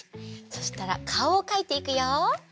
そしたらかおをかいていくよ！